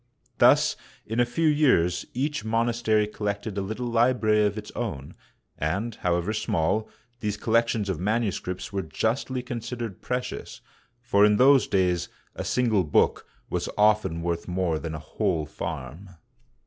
Thus in a few years each monastery collected a little library of its own, and, however small, these collections of manuscripts were justly consid ered precious, for in those days a single book was often worth more than a whole farm.